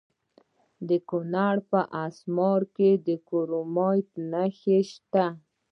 د کونړ په اسمار کې د کرومایټ نښې شته.